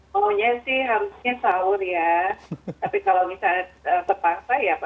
pokoknya sih harusnya saur ya